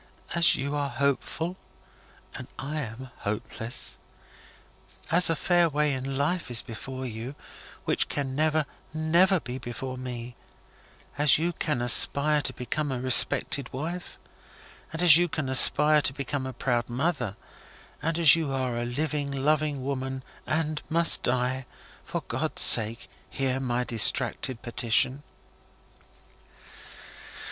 "As you are hopeful, and I am hopeless; as a fair way in life is before you, which can never, never, be before me; as you can aspire to become a respected wife, and as you can aspire to become a proud mother, as you are a living loving woman, and must die; for GOD'S sake hear my distracted petition!"